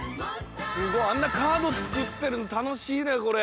すごいあんなカードつくってるのたのしいねこれ。